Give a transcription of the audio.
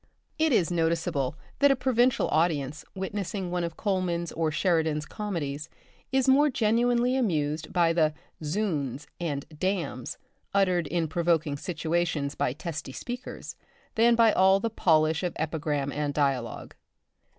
It is noticeable that a provincial audience witnessing one of Colman's or Sheridan's comedies is more genuinely amused by the "zounds" and "dammes" uttered in provoking situations by testy speakers, than by all the polish of epigram and dialogue.